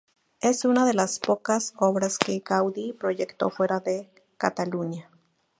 Es una de las pocas obras que Gaudí proyectó fuera de Cataluña.